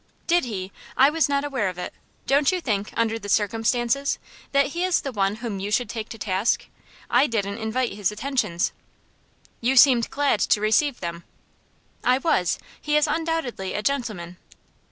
"Did he? I was not aware of it. Don't you think, under the circumstances, that he is the one whom you should take to task? I didn't invite his attentions." "You seemed glad to receive them." "I was. He is undoubtedly a gentleman."